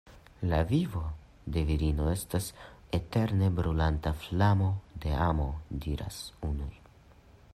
La vivo de virino estas eterne brulanta flamo de amo, diras unuj.